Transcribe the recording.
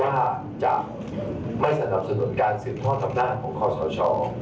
ว่าจะไม่สนับสนุนการสินทอดธรรมนาคตของข้อสาวช้อ